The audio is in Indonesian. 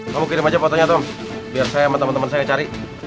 kamu kirim aja fotonya biar saya sama temen temen saya cari